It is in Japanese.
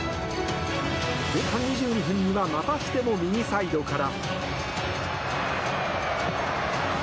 前半２２分にはまたしても右サイドから。